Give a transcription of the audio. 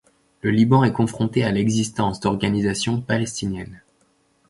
Le Liban est confronté à l'existence d'organisations palestinienne.